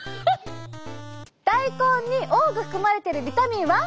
大根に多く含まれてるビタミンは？